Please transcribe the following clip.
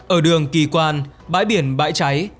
ở đường kỳ quan bãi biển bãi cháy